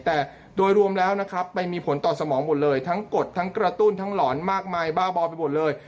แต่โดยรวมแล้วนะครับไปมีผลต่อสมองหมดเลยทั้งกดทั้งกระตุ้นทั้งหลอนมากมายบ้าบอไปหมดเลย